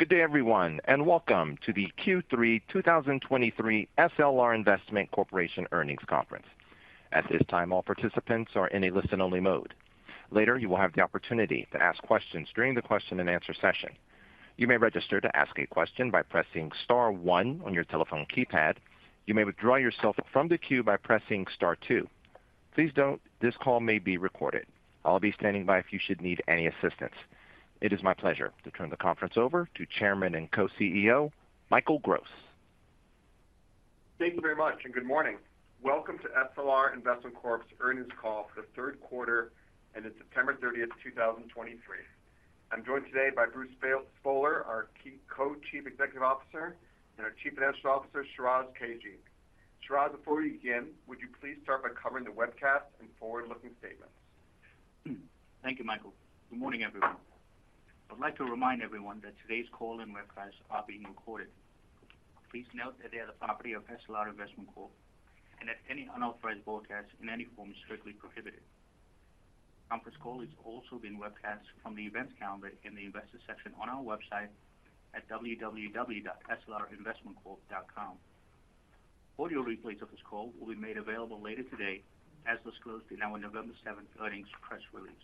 Good day, everyone, and welcome to the Q3 2023 SLR Investment Corporation Earnings Conference. At this time, all participants are in a listen-only mode. Later, you will have the opportunity to ask questions during the question-and-answer session. You may register to ask a question by pressing star one on your telephone keypad. You may withdraw yourself from the queue by pressing star two. Please note, this call may be recorded. I'll be standing by if you should need any assistance. It is my pleasure to turn the conference over to Chairman and Co-CEO, Michael Gross. Thank you very much, and good morning. Welcome to SLR Investment Corp's earnings call for the Q3, ended September 30, 2023. I'm joined today by Bruce Spohler, our Co-Chief Executive Officer, and our Chief Financial Officer, Shiraz Kajee. Shiraz, before we begin, would you please start by covering the webcast and forward-looking statements? Thank you, Michael. Good morning, everyone. I'd like to remind everyone that today's call and webcast are being recorded. Please note that they are the property of SLR Investment Corp., and that any unauthorized broadcast in any form is strictly prohibited. Conference call is also being webcast from the events calendar in the investor section on our website at www.slrinvestmentcorp.com. Audio replays of this call will be made available later today as disclosed in our November seventh earnings press release.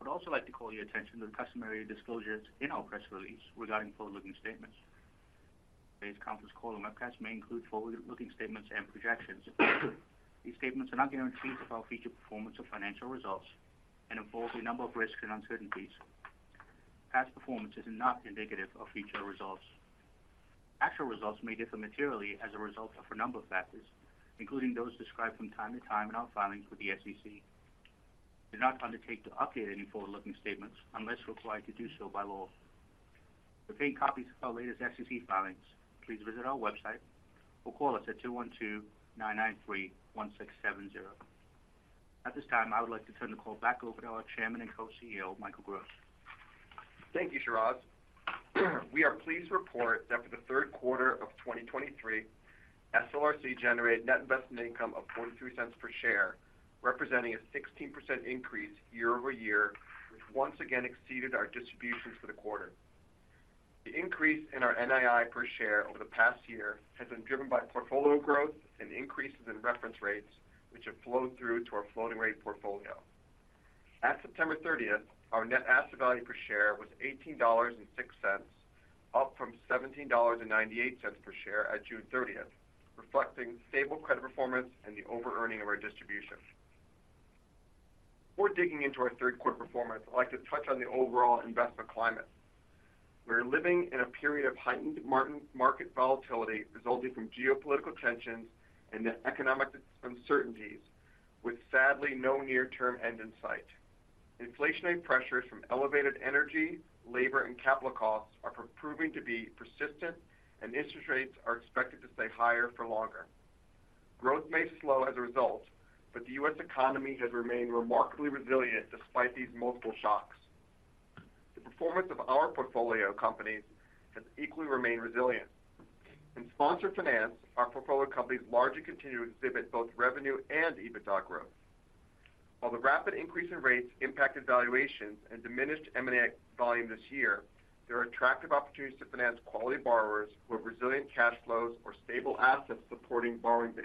I'd also like to call your attention to the customary disclosures in our press release regarding forward-looking statements. Today's conference call and webcast may include forward-looking statements and projections. These statements are not guarantees of our future performance or financial results and involve a number of risks and uncertainties. Past performance is not indicative of future results. Actual results may differ materially as a result of a number of factors, including those described from time to time in our filings with the SEC. We do not undertake to update any forward-looking statements unless required to do so by law. To obtain copies of our latest SEC filings, please visit our website or call us at 212-993-1670. At this time, I would like to turn the call back over to our Chairman and Co-CEO, Michael Gross. Thank you, Shiraz. We are pleased to report that for the Q3 of 2023, SLRC generated net investment income of $0.43 per share, representing a 16% increase year-over-year, which once again exceeded our distributions for the quarter. The increase in our NII per share over the past year has been driven by portfolio growth and increases in reference rates, which have flowed through to our floating rate portfolio. At September 30th, our net asset value per share was $18.06, up from $17.98 per share at June 30th, reflecting stable credit performance and the over-earning of our distribution. Before digging into our Q3 performance, I'd like to touch on the overall investment climate. We're living in a period of heightened mid-market volatility resulting from geopolitical tensions and the economic uncertainties, with sadly, no near-term end in sight. Inflationary pressures from elevated energy, labor, and capital costs are proving to be persistent, and interest rates are expected to stay higher for longer. Growth may slow as a result, but the U.S. economy has remained remarkably resilient despite these multiple shocks. The performance of our portfolio companies has equally remained resilient. In sponsor finance, our portfolio companies largely continue to exhibit both revenue and EBITDA growth. While the rapid increase in rates impacted valuations and diminished M&A volume this year, there are attractive opportunities to finance quality borrowers who have resilient cash flows or stable assets supporting borrowing base.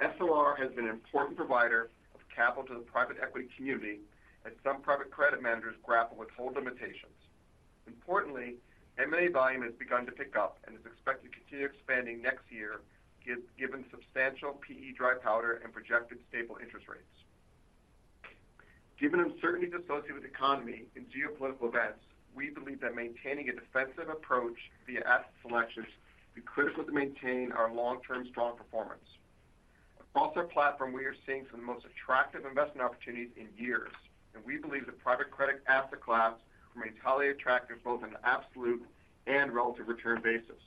SLR has been an important provider of capital to the private equity community as some private credit managers grapple with hold limitations. Importantly, M&A volume has begun to pick up and is expected to continue expanding next year, given substantial PE dry powder and projected stable interest rates. Given uncertainties associated with the economy and geopolitical events, we believe that maintaining a defensive approach via asset selections be critical to maintain our long-term strong performance. Across our platform, we are seeing some of the most attractive investment opportunities in years, and we believe the private credit asset class remains highly attractive, both on an absolute and relative return basis.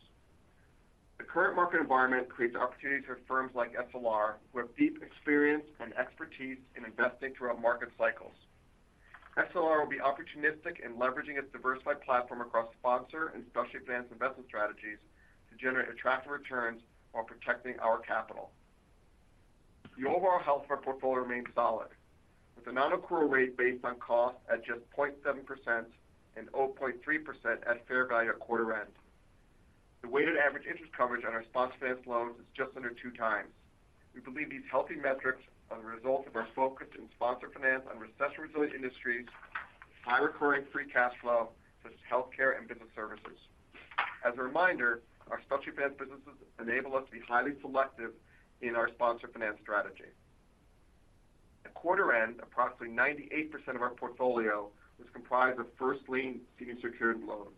The current market environment creates opportunities for firms like SLR, who have deep experience and expertise in investing throughout market cycles. SLR will be opportunistic in leveraging its diversified platform across sponsor and specialty finance investment strategies to generate attractive returns while protecting our capital. The overall health of our portfolio remains solid, with a non-accrual rate based on cost at just 0.7% and 0.3% at fair value at quarter end. The weighted average interest coverage on our sponsor finance loans is just under 2x. We believe these healthy metrics are the result of our focus in sponsor finance on recession-resilient industries, high recurring free cash flow, such as healthcare and business services. As a reminder, our specialty finance businesses enable us to be highly selective in our sponsor finance strategy. At quarter end, approximately 98% of our portfolio was comprised of first-lien senior secured loans.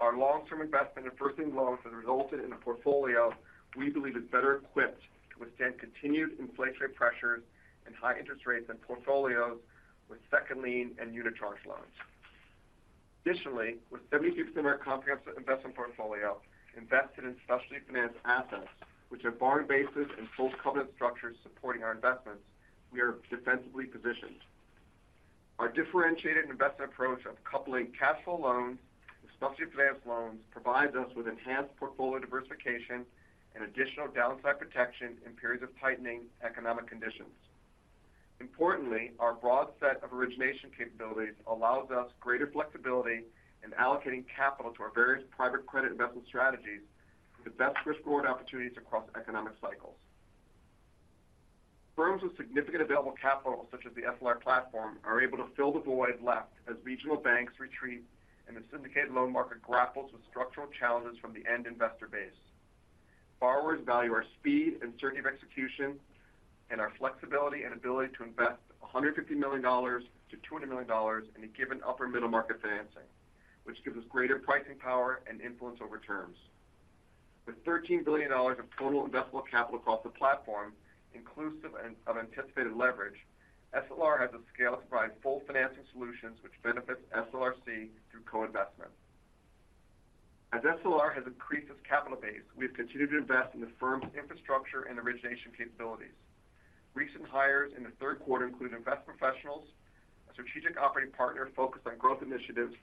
Our long-term investment in first-lien loans has resulted in a portfolio we believe is better equipped to withstand continued inflationary pressures and high interest rates than portfolios with second lien and unitranche loans. Additionally, with 72% of our comprehensive investment portfolio invested in specialty financed assets, which are borrowing bases and full covenant structures supporting our investments, we are defensively positioned. Our differentiated investment approach of coupling cash flow loans with specialty asset-based loans provides us with enhanced portfolio diversification and additional downside protection in periods of tightening economic conditions. Importantly, our broad set of origination capabilities allows us greater flexibility in allocating capital to our various private credit investment strategies to the best risk-reward opportunities across economic cycles. Firms with significant available capital, such as the SLR platform, are able to fill the void left as regional banks retreat and the syndicated loan market grapples with structural challenges from the end investor base. Borrowers value our speed and certainty of execution, and our flexibility and ability to invest $150 million-$200 million in a given upper middle market financing, which gives us greater pricing power and influence over terms. With $13 billion of total investable capital across the platform, inclusive of anticipated leverage, SLR has the scale to provide full financing solutions, which benefits SLRC through co-investment. As SLR has increased its capital base, we've continued to invest in the firm's infrastructure and origination capabilities. Recent hires in the Q3 include investment professionals, a strategic operating partner focused on growth initiatives,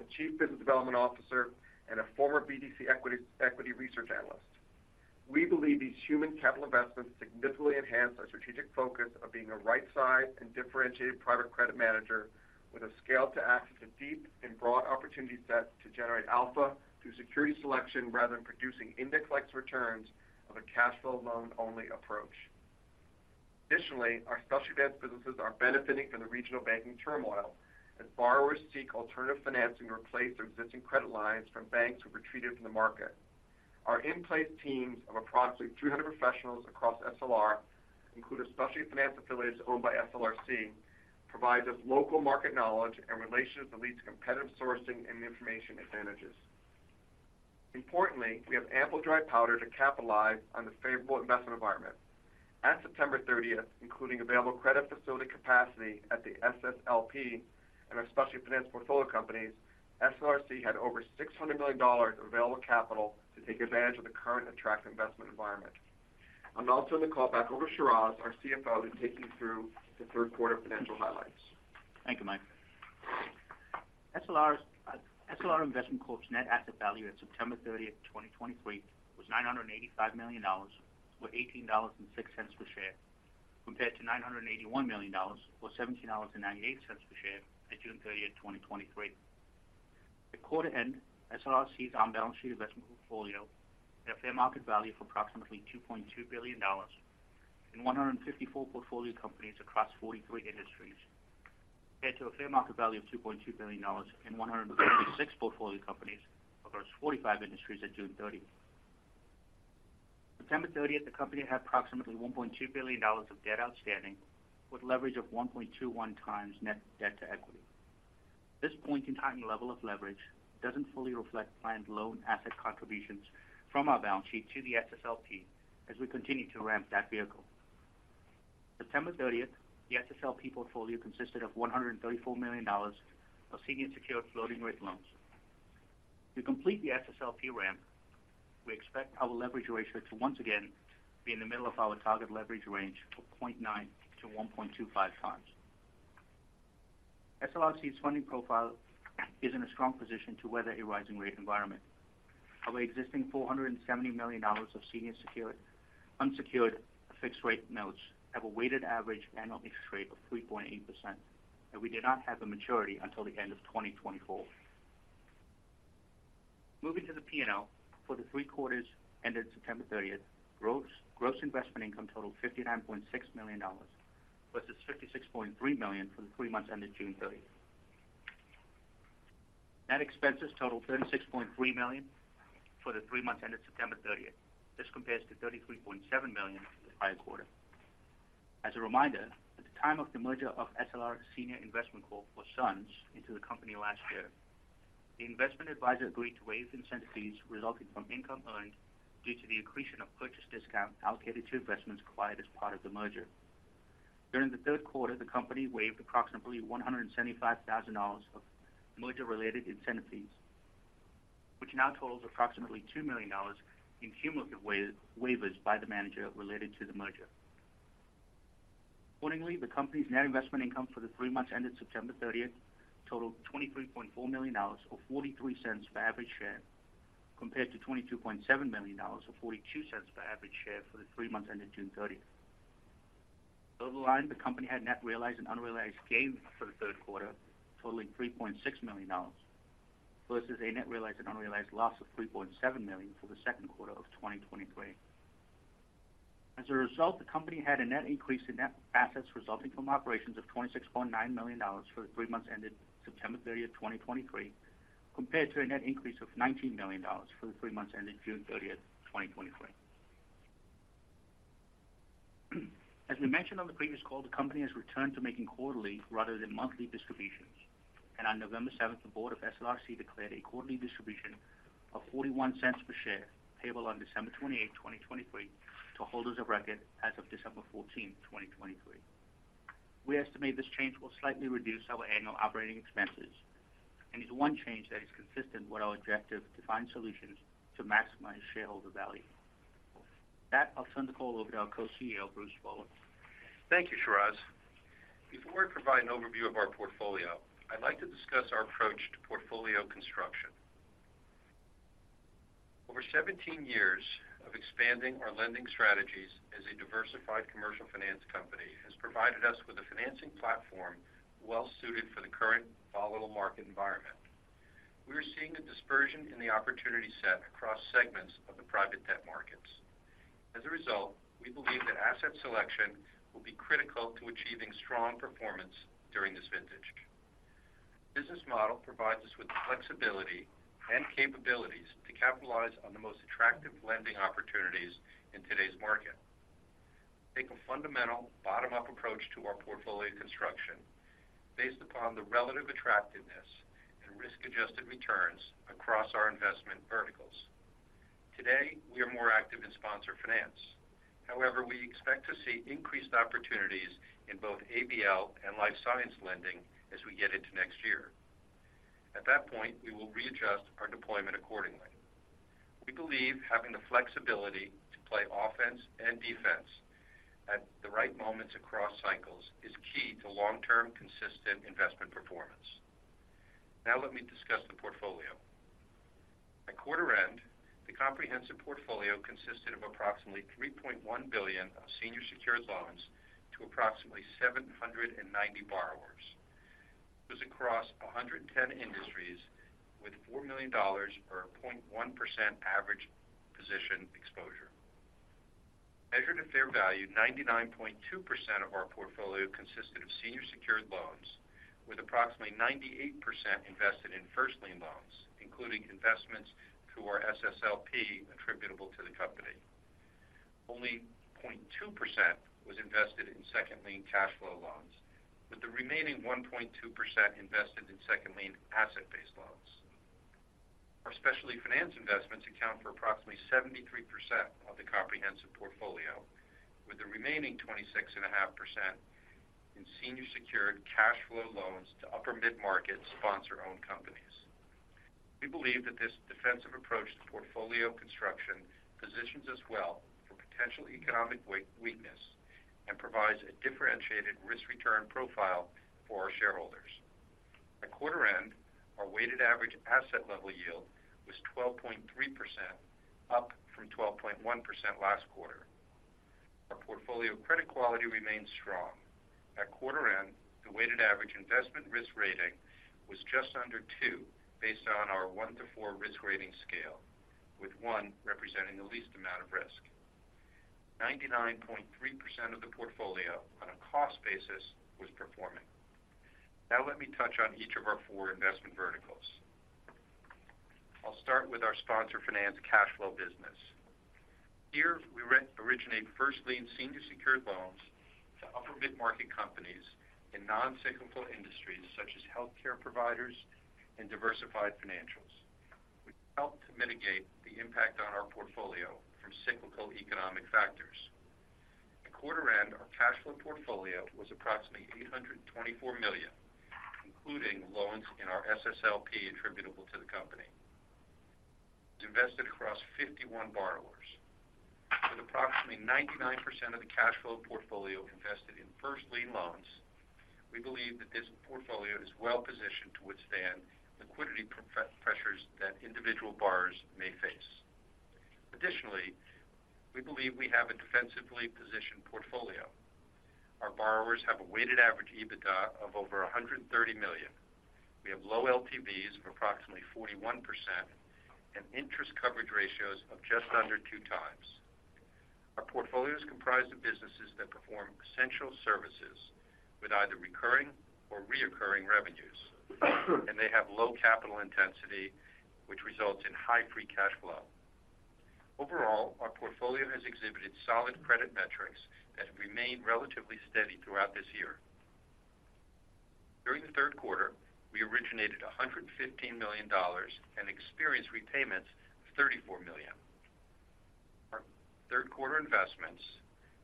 a chief business development officer, and a former BDC equity, equity research analyst. We believe these human capital investments significantly enhance our strategic focus of being a right-sized and differentiated private credit manager with a scale to access a deep and broad opportunity set to generate alpha through security selection, rather than producing index-like returns of a cash flow loan-only approach. Additionally, our specialty finance businesses are benefiting from the regional banking turmoil as borrowers seek alternative financing to replace their existing credit lines from banks who retreated from the market. Our in-place teams of approximately 200 professionals across SLR, include our specialty finance affiliates owned by SLRC, provides us local market knowledge and relationships that lead to competitive sourcing and information advantages. Importantly, we have ample dry powder to capitalize on this favorable investment environment. of September 30, including available credit facility capacity at the SSLP and our specialty finance portfolio companies, SLRC had over $600 million of available capital to take advantage of the current attractive investment environment. I'll now turn the call back over to Shiraz, our CFO, to take you through the Q3 financial highlights. Thank you, Mike. SLR's SLR Investment Corp.'s net asset value at September 30, 2023, was $985 million, or $18.06 per share, compared to $981 million, or $17.98 per share at June 30, 2023. At quarter end, SLRC's on-balance sheet investment portfolio had a fair market value of approximately $2.2 billion in 154 portfolio companies across 43 industries, compared to a fair market value of $2.2 billion in 156 portfolio companies across 45 industries at June 30. September 30, the company had approximately $1.2 billion of debt outstanding, with leverage of 1.21 times net debt to equity. This point-in-time level of leverage doesn't fully reflect planned loan asset contributions from our balance sheet to the SSLP as we continue to ramp that vehicle. September 30, the SSLP portfolio consisted of $134 million of senior secured floating rate loans. To complete the SSLP ramp, we expect our leverage ratio to once again be in the middle of our target leverage range of 0.9-1.25x. SLRC's funding profile is in a strong position to weather a rising rate environment. Our existing $470 million of senior unsecured fixed rate notes have a weighted average annual interest rate of 3.8%, and we do not have a maturity until the end of 2024. Moving to the P&L, for the three quarters ended September thirtieth, gross, gross investment income totaled $59.6 million, versus $56.3 million for the three months ended June thirtieth. Net expenses totaled $36.3 million for the three months ended September thirtieth. This compares to $33.7 million the prior quarter. As a reminder, at the time of the merger of SLR Senior Investment Corp., or SUNS, into the company last year, the investment advisor agreed to waive incentive fees resulting from income earned due to the accretion of purchase discount allocated to investments acquired as part of the merger. During Q3, the company waived approximately $175,000 of merger-related incentive fees, which now totals approximately $2 million in cumulative waivers by the manager related to the merger. Accordingly, the company's net investment income for the three months ended September 30 totaled $23.4 million, or $0.43 per average share, compared to $22.7 million, or $0.42 per average share, for the three months ended June 30. Over the line, the company had net realized and unrealized gains for the Q3, totaling $3.6 million, versus a net realized and unrealized loss of $3.7 million for the Q2 of 2023. As a result, the company had a net increase in net assets resulting from operations of $26.9 million for the three months ended September 30, 2023, compared to a net increase of $19 million for the three months ended June 30, 2023. As we mentioned on the previous call, the company has returned to making quarterly rather than monthly distributions, and on November 7, the board of SLRC declared a quarterly distribution of $0.41 per share, payable on December 28, 2023, to holders of record as of December 14, 2023. We estimate this change will slightly reduce our annual operating expenses and is one change that is consistent with our objective to find solutions to maximize shareholder value. With that, I'll turn the call over to our Co-CEO, Bruce Spohler. Thank you, Shiraz. Before I provide an overview of our portfolio, I'd like to discuss our approach to portfolio construction. Over 17 years of expanding our lending strategies as a diversified commercial finance company has provided us with a financing platform well-suited for the current volatile market environment. We are seeing a dispersion in the opportunity set across segments of the private debt markets. As a result, we believe that asset selection will be critical to achieving strong performance during this vintage. Business model provides us with the flexibility and capabilities to capitalize on the most attractive lending opportunities in today's market. Take a fundamental bottom-up approach to our portfolio construction, based upon the relative attractiveness and risk-adjusted returns across our investment verticals. Today, we are more active in sponsor finance. However, we expect to see increased opportunities in both ABL and life science lending as we get into next year. At that point, we will readjust our deployment accordingly. We believe having the flexibility to play offense and defense at the right moments across cycles is key to long-term, consistent investment performance. Now let me discuss the portfolio. At quarter end, the comprehensive portfolio consisted of approximately $3.1 billion of senior secured loans to approximately 790 borrowers. It was across 110 industries with $4 million or 0.1% average position exposure. Measured at fair value, 99.2% of our portfolio consisted of senior secured loans, with approximately 98% invested in first lien loans, including investments through our SSLP attributable to the company. Only 0.2% was invested in second lien cash flow loans, with the remaining 1.2% invested in second lien asset-based loans. Our specialty finance investments account for approximately 73% of the comprehensive portfolio, with the remaining 26.5% in senior secured cash flow loans to upper mid-market, sponsor-owned companies. We believe that this defensive approach to portfolio construction positions us well for potential economic weight, weakness, and provides a differentiated risk-return profile for our shareholders. At quarter end, our weighted average asset level yield was 12.3%, up from 12.1% last quarter. Our portfolio credit quality remains strong. At quarter end, the weighted average investment risk rating was just under 2, based on our 1 to 4 risk rating scale, with 1 representing the least amount of risk. 99.3% of the portfolio on a cost basis was performing. Now, let me touch on each of our 4 investment verticals. I'll start with our sponsor finance cash flow business. Here, we re-originate first lien senior secured loans to upper mid-market companies in non-cyclical industries such as healthcare providers and diversified financials, which help to mitigate the impact on our portfolio from cyclical economic factors. At quarter end, our cash flow portfolio was approximately $824 million, including loans in our SSLP attributable to the company. It's invested across 51 borrowers. With approximately 99% of the cash flow portfolio invested in first lien loans, we believe that this portfolio is well positioned to withstand liquidity pressures that individual borrowers may face. Additionally, we believe we have a defensively positioned portfolio. Our borrowers have a weighted average EBITDA of over $130 million. We have low LTVs of approximately 41% and interest coverage ratios of just under 2x. Our portfolio is comprised of businesses that perform essential services with either recurring or reoccurring revenues, and they have low capital intensity, which results in high free cash flow. Overall, our portfolio has exhibited solid credit metrics that have remained relatively steady throughout this year. During the Q3, we originated $115 million and experienced repayments of $34 million. Our Q3 investments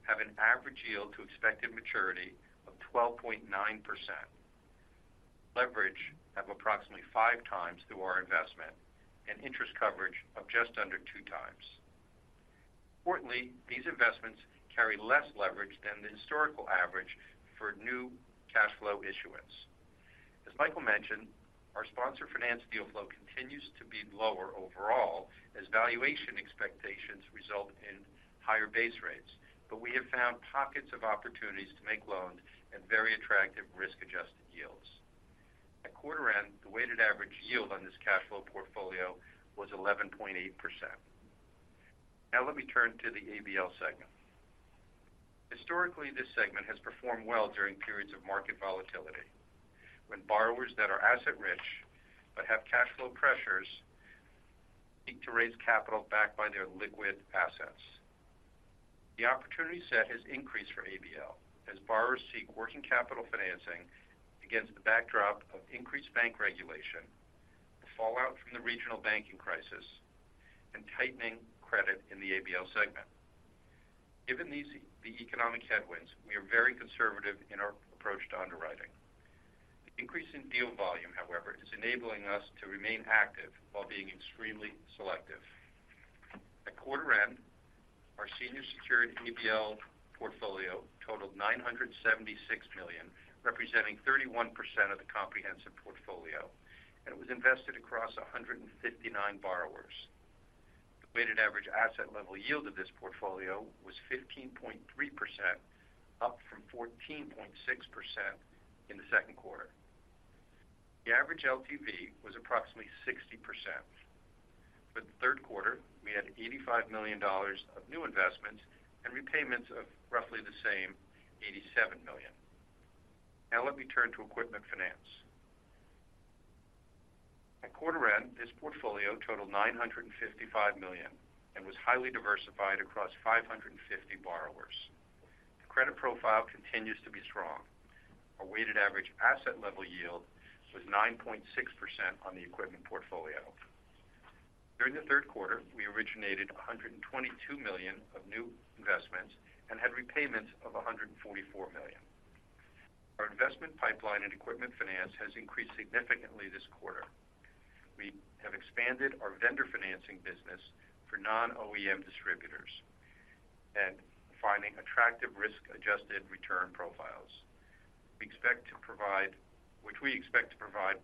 have an average yield to expected maturity of 12.9%, leverage of approximately 5x through our investment, and interest coverage of just under 2x. Importantly, these investments carry less leverage than the historical average for new cash flow issuance. As Michael mentioned, our sponsor finance deal flow continues to be lower overall as valuation expectations result in higher base rates, but we have found pockets of opportunities to make loans at very attractive risk-adjusted yields. At quarter end, the weighted average yield on this cash flow portfolio was 11.8%. Now let me turn to the ABL segment. Historically, this segment has performed well during periods of market volatility, when borrowers that are asset rich but have cash flow pressures seek to raise capital backed by their liquid assets. The opportunity set has increased for ABL as borrowers seek working capital financing against the backdrop of increased bank regulation, the fallout from the regional banking crisis, and tightening credit in the ABL segment. Given these, the economic headwinds, we are very conservative in our approach to underwriting. The increase in deal volume, however, is enabling us to remain active while being extremely selective. At quarter end, Senior Secured ABL portfolio totaled $976 million, representing 31% of the comprehensive portfolio, and it was invested across 159 borrowers. The weighted average asset level yield of this portfolio was 15.3%, up from 14.6% in the Q2. The average LTV was approximately 60%. For the Q3, we had $85 million of new investments and repayments of roughly the same, $87 million. Now let me turn to equipment finance. At quarter end, this portfolio totaled $955 million and was highly diversified across 550 borrowers. The credit profile continues to be strong. Our weighted average asset level yield was 9.6% on the equipment portfolio. During the Q3, we originated $122 million of new investments and had repayments of $144 million. Our investment pipeline and equipment finance has increased significantly this quarter. We have expanded our vendor financing business for non-OEM distributors and finding attractive risk-adjusted return profiles. We expect to provide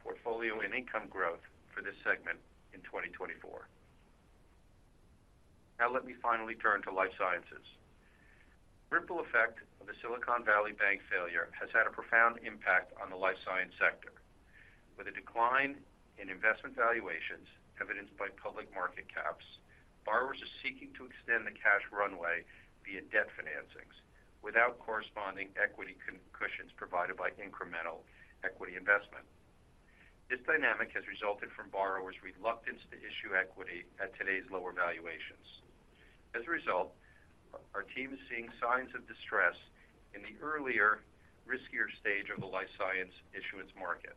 portfolio and income growth for this segment in 2024. Now, let me finally turn to life sciences. Ripple effect of the Silicon Valley Bank failure has had a profound impact on the life science sector. With a decline in investment valuations evidenced by public market caps, borrowers are seeking to extend the cash runway via debt financings without corresponding equity cushions provided by incremental equity investment. This dynamic has resulted from borrowers' reluctance to issue equity at today's lower valuations. As a result, our team is seeing signs of distress in the earlier, riskier stage of the life science issuance market,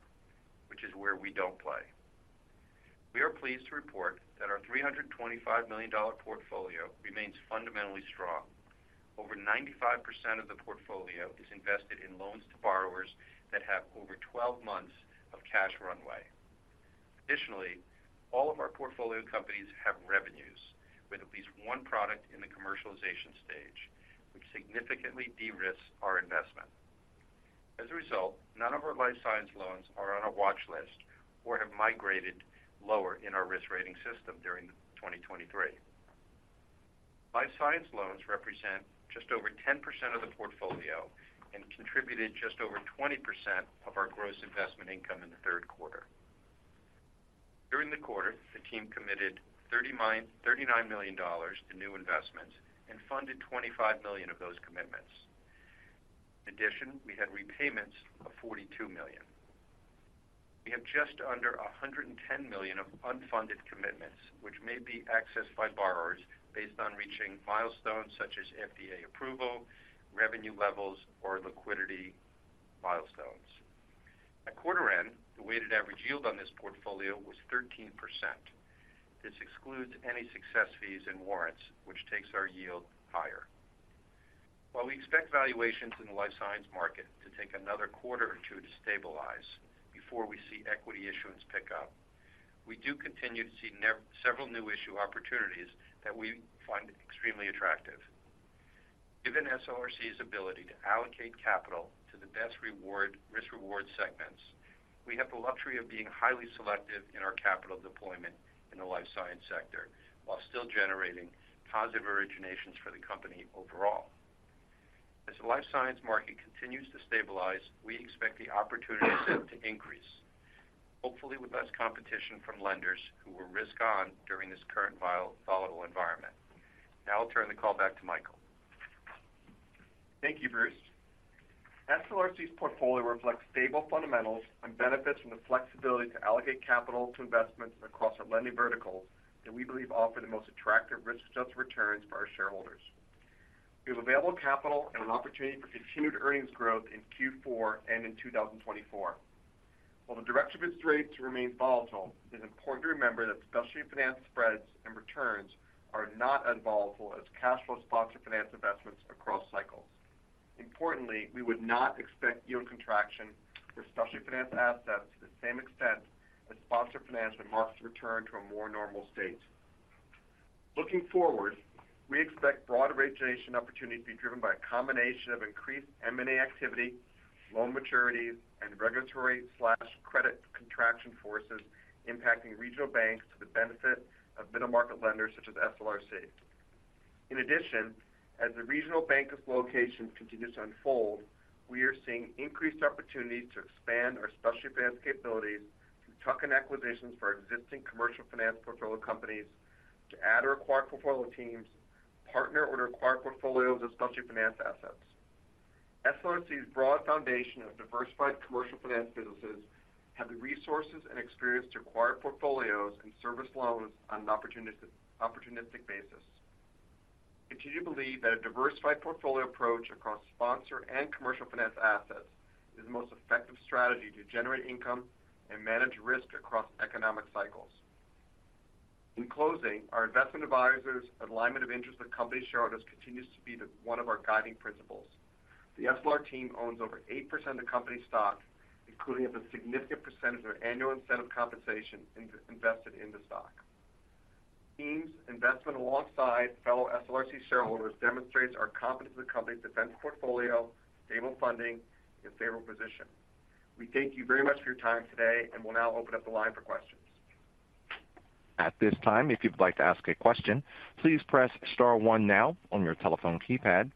which is where we don't play. We are pleased to report that our $325 million portfolio remains fundamentally strong. Over 95% of the portfolio is invested in loans to borrowers that have over 12 months of cash runway. Additionally, all of our portfolio companies have revenues with at least one product in the commercialization stage, which significantly de-risks our investment. As a result, none of our life science loans are on a watch list or have migrated lower in our risk rating system during 2023. Life science loans represent just over 10% of the portfolio and contributed just over 20% of our gross investment income in the Q3. During the quarter, the team committed $39 million to new investments and funded $25 million of those commitments. In addition, we had repayments of $42 million. We have just under $110 million of unfunded commitments, which may be accessed by borrowers based on reaching milestones such as FDA approval, revenue levels, or liquidity milestones. At quarter end, the weighted average yield on this portfolio was 13%. This excludes any success fees and warrants, which takes our yield higher. While we expect valuations in the life science market to take another quarter or two to stabilize before we see equity issuance pick up, we do continue to see several new issue opportunities that we find extremely attractive. Given SLRC's ability to allocate capital to the best reward, risk-reward segments, we have the luxury of being highly selective in our capital deployment in the life science sector, while still generating positive originations for the company overall. As the life science market continues to stabilize, we expect the opportunity set to increase, hopefully with less competition from lenders who were risk on during this current wild, volatile environment. Now I'll turn the call back to Michael. Thank you, Bruce. SLRC's portfolio reflects stable fundamentals and benefits from the flexibility to allocate capital to investments across our lending verticals that we believe offer the most attractive risk-adjusted returns for our shareholders. We have available capital and an opportunity for continued earnings growth in Q4 and in 2024. While the direction of its rates remain volatile, it is important to remember that specialty finance spreads and returns are not as volatile as cash flow sponsor finance investments across cycles. Importantly, we would not expect yield contraction for specialty finance assets to the same extent as sponsor finance when markets return to a more normal state. Looking forward, we expect broad origination opportunities to be driven by a combination of increased M&A activity, loan maturities, and regulatory/credit contraction forces impacting regional banks to the benefit of middle-market lenders such as SLRC. In addition, as the regional bank dislocation continues to unfold, we are seeing increased opportunities to expand our specialty finance capabilities through tuck-in acquisitions for our existing commercial finance portfolio companies to add or acquire portfolio teams, partner or to acquire portfolios of specialty finance assets. SLRC's broad foundation of diversified commercial finance businesses have the resources and experience to acquire portfolios and service loans on an opportunistic, opportunistic basis. We continue to believe that a diversified portfolio approach across sponsor and commercial finance assets is the most effective strategy to generate income and manage risk across economic cycles. In closing, our investment advisors' alignment of interest with company shareholders continues to be the one of our guiding principles. The SLR team owns over 8% of company stock. Including a significant percentage of their annual incentive compensation invested in the stock. Team's investment alongside fellow SLRC shareholders demonstrates our confidence in the company's diverse portfolio, stable funding, and favorable position. We thank you very much for your time today, and we'll now open up the line for questions. At this time, if you'd like to ask a question, please press star one now on your telephone keypad.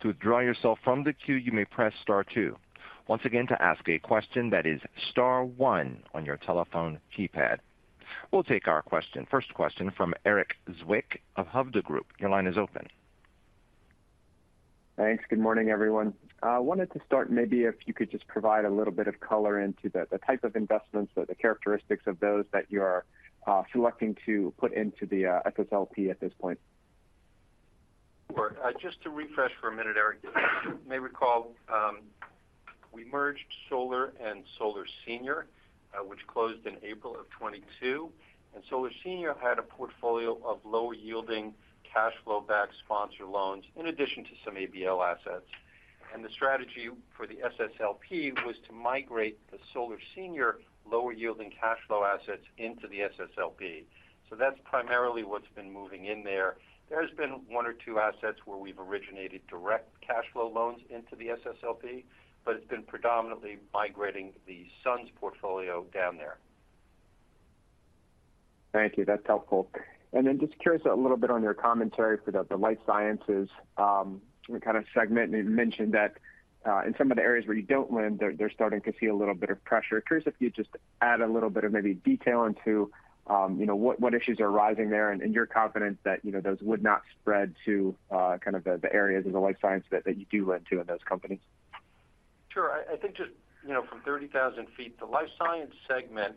To withdraw yourself from the queue, you may press star two. Once again, to ask a question, that is star one on your telephone keypad. We'll take our question. First question from Eric Zwick of Hovde Group. Your line is open. Thanks. Good morning, everyone. I wanted to start, maybe if you could just provide a little bit of color into the type of investments or the characteristics of those that you are selecting to put into the SSLP at this point. Sure. Just to refresh for a minute, Eric, you may recall, we merged SLR and SLR Senior, which closed in April of 2022. SLR Senior had a portfolio of lower-yielding cash flow backed sponsor loans, in addition to some ABL assets. The strategy for the SSLP was to migrate the SLR Senior lower-yielding cash flow assets into the SSLP. That's primarily what's been moving in there. There's been one or two assets where we've originated direct cash flow loans into the SSLP, but it's been predominantly migrating the SUNS portfolio down there. Thank you. That's helpful. Then just curious a little bit on your commentary for the life sciences kind of segment. You mentioned that in some of the areas where you don't lend, they're starting to see a little bit of pressure. Curious if you'd just add a little bit of maybe detail into, you know, what issues are arising there, and in your confidence that, you know, those would not spread to kind of the areas of the life science that you do lend to in those companies. Sure. I think just, you know, from 30,000 feet, the life science segment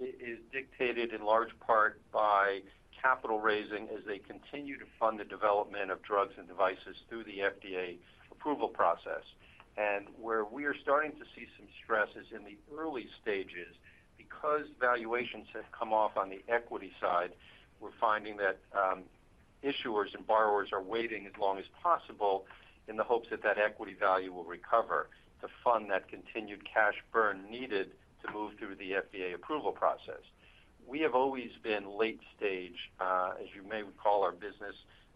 is dictated in large part by capital raising as they continue to fund the development of drugs and devices through the FDA approval process, where we are starting to see some stress is in the early stages. Because valuations have come off on the equity side, we're finding that issuers and borrowers are waiting as long as possible in the hopes that that equity value will recover, to fund that continued cash burn needed to move through the FDA approval process. We have always been late stage. As you may recall, our business,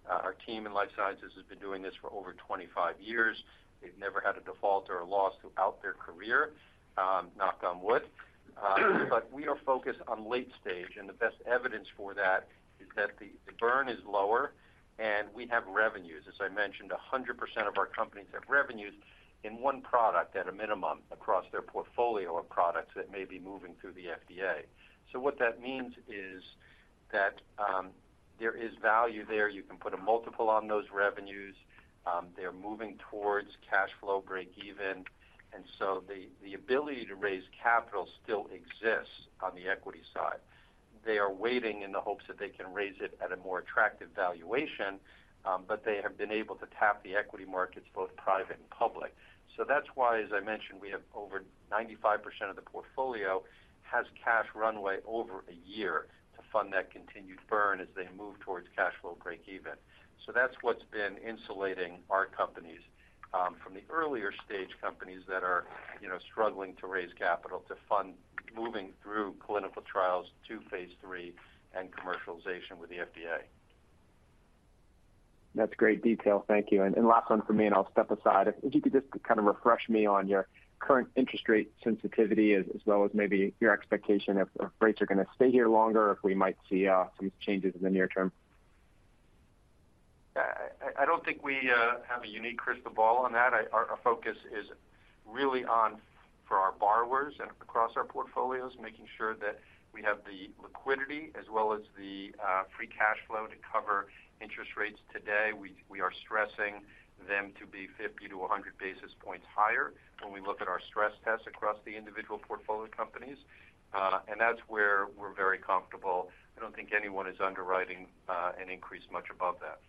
our team in life sciences has been doing this for over 25 years. They've never had a default or a loss throughout their career, knock on wood. We are focused on late stage, and the best evidence for that is that the burn is lower and we have revenues. As I mentioned, 100% of our companies have revenues in one product at a minimum across their portfolio of products that may be moving through the FDA. What that means is that there is value there. You can put a multiple on those revenues. They're moving towards cash flow breakeven, and so the ability to raise capital still exists on the equity side. They are waiting in the hopes that they can raise it at a more attractive valuation, but they have been able to tap the equity markets, both private and public. That's why, as I mentioned, we have over 95% of the portfolio has cash runway over a year to fund that continued burn as they move towards cash flow breakeven. So that's what's been insulating our companies, from the earlier stage companies that are, you know, struggling to raise capital to fund moving through clinical trials to phase three and commercialization with the FDA. That's great detail. Thank you, and last one for me, and I'll step aside. If you could just kind of refresh me on your current interest rate sensitivity, as, as well as maybe your expectation if, if rates are going to stay here longer, or if we might see some changes in the near term. I don't think we have a unique crystal ball on that. Our focus is really on for our borrowers and across our portfolios, making sure that we have the liquidity as well as the free cash flow to cover interest rates today. We are stressing them to be 50-100 basis points higher when we look at our stress tests across the individual portfolio companies. And that's where we're very comfortable. I don't think anyone is underwriting an increase much above that.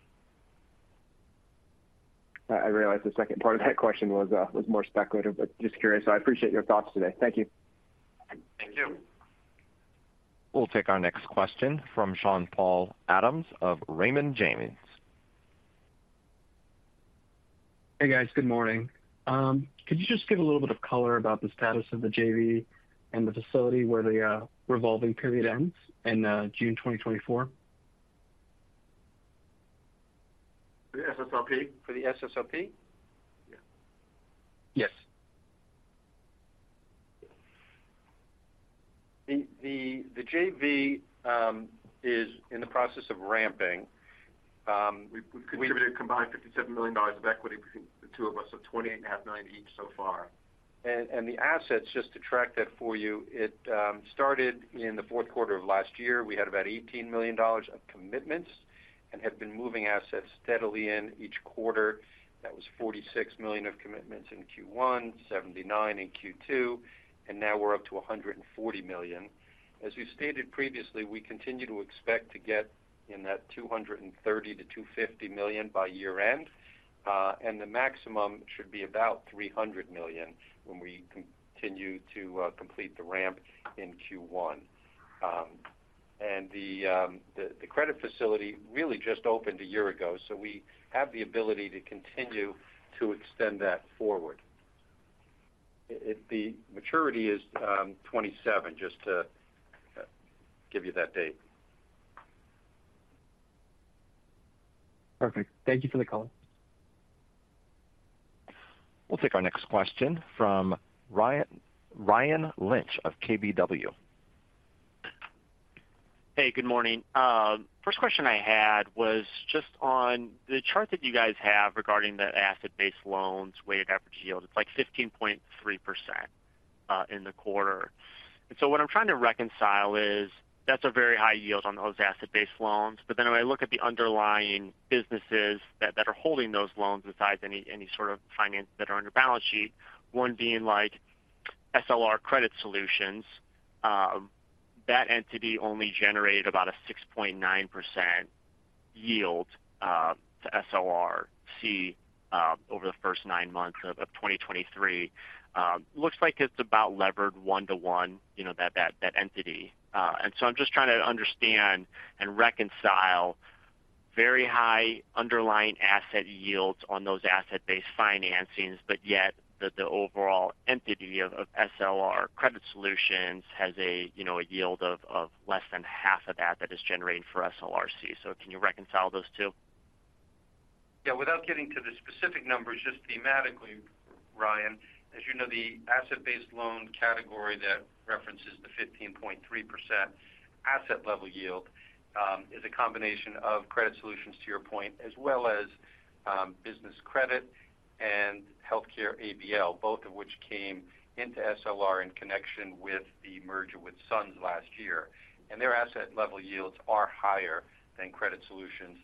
I realize the second part of that question was more speculative, but just curious. I appreciate your thoughts today. Thank you. Thank you. We'll take our next question from Sean-Paul Adams of Raymond James. Hey, guys. Good morning. Could you just give a little bit of color about the status of the JV and the facility where the revolving period ends in June 2024? For the SSLP? For the SSLP? Yes. The JV is in the process of ramping. We've contributed a combined $57 million of equity between the two of us, so $28.5 million each so far. And the assets, just to track that for you, it started in the fourth quarter of last year. We had about $18 million of commitments and have been moving assets steadily in each quarter. That was $46 million of commitments in Q1, 79 in Q2, and now we're up to $140 million. As we stated previously, we continue to expect to get in that $230 million-$250 million by year end, and the maximum should be about $300 million when we continue to complete the ramp in Q1. The credit facility really just opened a year ago, so we have the ability to continue to extend that forward. The maturity is 2027, just to give you that date. Perfect. Thank you for the color. We'll take our next question from, Ryan Lynch of KBW. Hey, good morning. First question I had was just on the chart that you guys have regarding the asset-based loans weighted average yield, it's like 15.3%, in the quarter. What I'm trying to reconcile is that's a very high yield on those asset-based loans, but then when I look at the underlying businesses that are holding those loans besides any sort of finance that are on your balance sheet, one being like SLR Credit Solutions, that entity only generated about a 6.9% yield to SLRC over the first nine months of 2023. Looks like it's about levered 1-to-1, you know, that entity. I'm just trying to understand and reconcile very high underlying asset yields on those asset-based financings, but yet the overall entity of SLR Credit Solutions has a, you know, a yield of less than half of that that is generated for SLRC. Can you reconcile those two? Yeah, without getting to the specific numbers, just thematically, Ryan, as you know, the asset-based loan category that references the 15.3% asset-level yield is a combination of Credit Solutions, to your point, as well as business credit and healthcare ABL, both of which came into SLR in connection with the merger with Suns last year. Their asset-level yields are higher than Credit Solutions,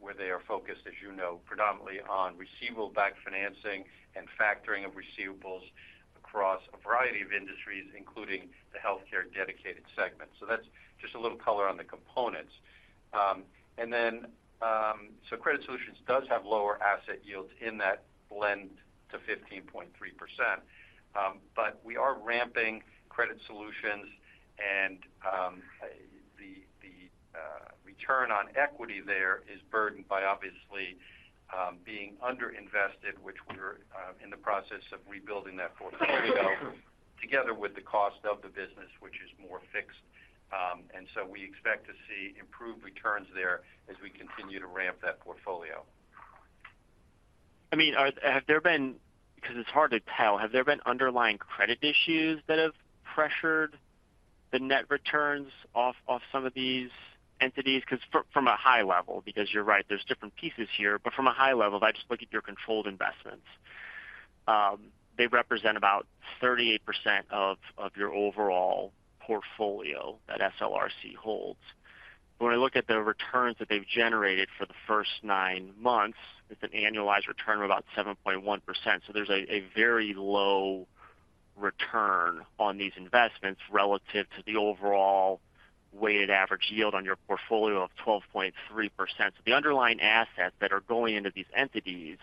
where they are focused, as you know, predominantly on receivable-backed financing and factoring of receivables across a variety of industries, including the healthcare-dedicated segment. So that's just a little color on the components. Credit Solutions does have lower asset yields in that blend to 15.3%. We are ramping Credit Solutions and the return on equity there is burdened by obviously being underinvested, which we're in the process of rebuilding that portfolio together with the cost of the business, which is more fixed. We expect to see improved returns there as we continue to ramp that portfolio. I mean, are there, because it's hard to tell, have there been underlying credit issues that have pressured the net returns off some of these entities? Because from a high level, because you're right, there's different pieces here. But from a high level, if I just look at your controlled investments, they represent about 38% of your overall portfolio that SLRC holds. When I look at the returns that they've generated for the first nine months, it's an annualized return of about 7.1%. So there's a very low return on these investments relative to the overall weighted average yield on your portfolio of 12.3%. So the underlying assets that are going into these entities,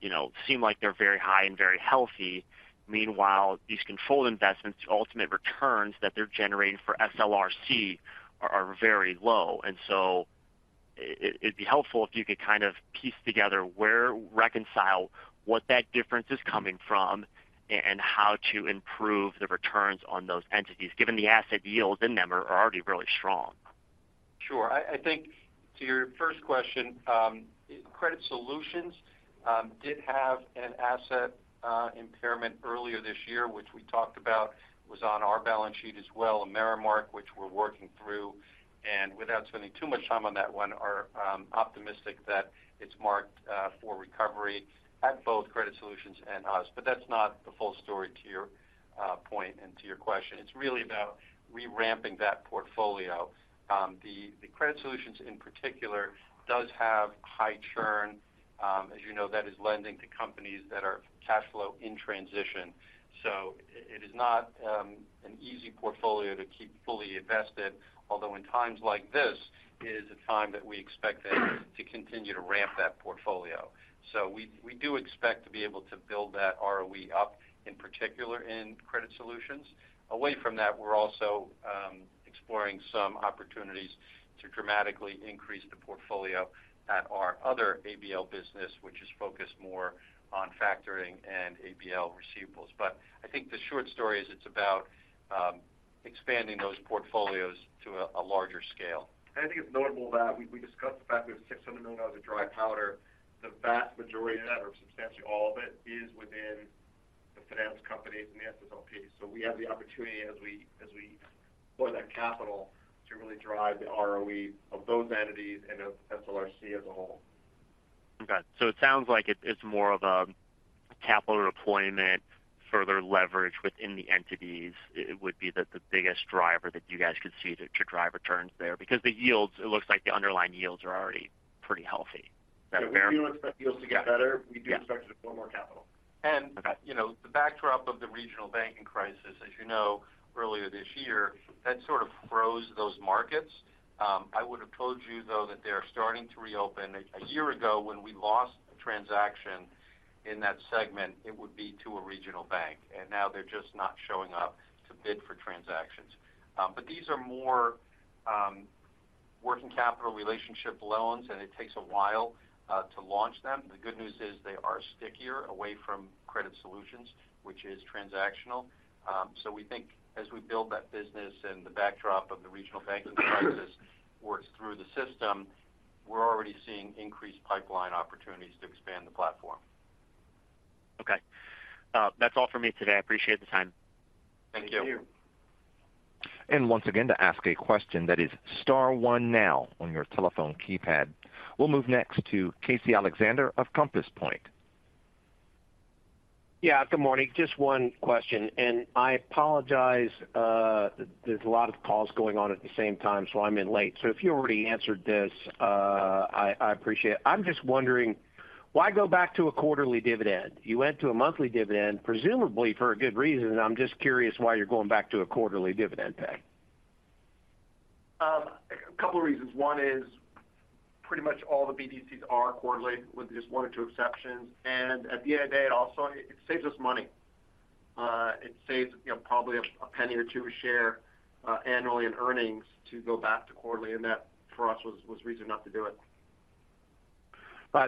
you know, seem like they're very high and very healthy. Meanwhile, these controlled investments, the ultimate returns that they're generating for SLRC are very low. And so it'd be helpful if you could kind of piece together where, reconcile what that difference is coming from and how to improve the returns on those entities, given the asset yields in them are already really strong. Sure. I think to your first question, Credit Solutions did have an asset impairment earlier this year, which we talked about was on our balance sheet as well, AmeriMark, which we're working through, and without spending too much time on that one, are optimistic that it's marked for recovery at both Credit Solutions and us. That's not the full story to your point and to your question. It's really about revamping that portfolio. The Credit Solutions, in particular, does have high churn. As you know, that is lending to companies that are cash flow in transition. It is not an easy portfolio to keep fully invested, although in times like this, it is a time that we expect it to continue to ramp that portfolio. We do expect to be able to build that ROE up, in particular in Credit Solutions. Away from that, we're also exploring some opportunities to dramatically increase the portfolio at our other ABL business, which is focused more on factoring and ABL receivables. I think the short story is it's about expanding those portfolios to a larger scale. I think it's notable that we discussed the fact we have $600 million of the dry powder. The vast majority of that, or substantially all of it, is within the finance companies and the SLP. So we have the opportunity as we deploy that capital, to really drive the ROE of those entities and of SLRC as a whole. Okay. It sounds like it's more of a capital deployment, further leverage within the entities, it would be the biggest driver that you guys could see to drive returns there. Because the yields, it looks like the underlying yields are already pretty healthy. Is that fair? We do expect yields to get better. Yeah. We do expect to deploy more capital. And- Okay The backdrop of the regional banking crisis, as you know, earlier this year, that sort of froze those markets. I would have told you, though, that they are starting to reopen. A year ago, when we lost a transaction in that segment, it would be to a regional bank, and now they're just not showing up to bid for transactions. These are more working capital relationship loans, and it takes a while to launch them. The good news is they are stickier away from credit solutions, which is transactional. We think as we build that business and the backdrop of the regional banking crisis works through the system, we're already seeing increased pipeline opportunities to expand the platform. Okay. That's all for me today. I appreciate the time. Thank you. Once again, to ask a question that is star one now on your telephone keypad. We'll move next to Casey Alexander of Compass Point. Yeah, good morning. Just one question, and I apologize, there's a lot of calls going on at the same time, so I'm in late. If you already answered this, I appreciate it. I'm just wondering, why go back to a quarterly dividend? You went to a monthly dividend, presumably for a good reason, and I'm just curious why you're going back to a quarterly dividend pay. A couple of reasons. One is pretty much all the BDCs are quarterly with just one or two exceptions. At the end of the day, also, it saves us money. It saves, you know, probably $0.01-$0.02 a share annually in earnings to go back to quarterly, and that, for us, was reason enough to do it.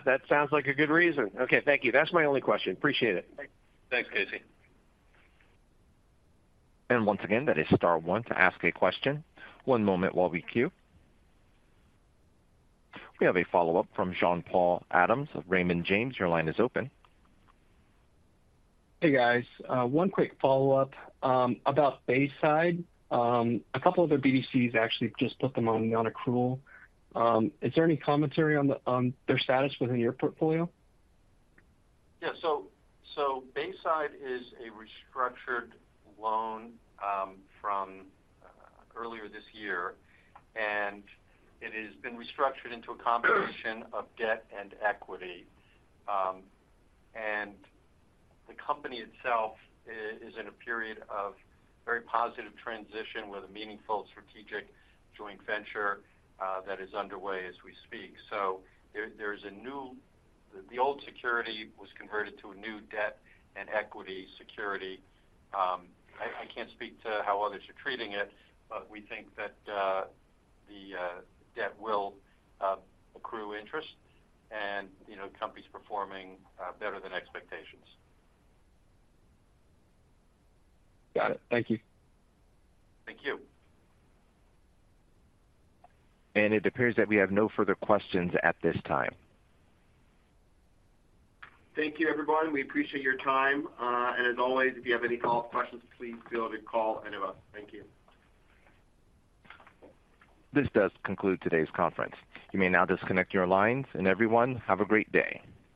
That sounds like a good reason. Okay, thank you. That's my only question. Appreciate it. Thanks, Casey. Once again, that is star one to ask a question. One moment while we queue. We have a follow-up from Sean-Paul Adams of Raymond James. Your line is open. Hey, guys. One quick follow-up about Bayside. A couple of the BDCs actually just put them on accrual. Is there any commentary on their status within your portfolio? Bayside is a restructured loan from earlier this year, and it has been restructured into a combination of debt and equity. And the company itself is in a period of very positive transition with a meaningful strategic joint venture that is underway as we speak. There's a new, the old security was converted to a new debt and equity security. I can't speak to how others are treating it, but we think that the debt will accrue interest, and, you know, the company's performing better than expectations. Got it. Thank you. Thank you. It appears that we have no further questions at this time. Thank you, everyone. We appreciate your time. And as always, if you have any follow-up questions, please feel free to call any of us. Thank you. This does conclude today's conference. You may now disconnect your lines, and everyone, have a great day.